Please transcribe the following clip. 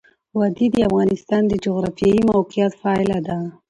وادي د افغانستان د جغرافیایي موقیعت پایله ده.